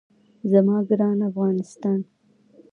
زما ګران افغانستان.